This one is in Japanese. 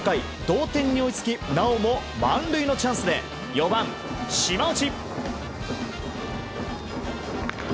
同点に追いつきなおも満塁のチャンスで４番、島内。